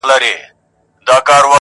یو احمد وو بل محمود وو سره ګران وه,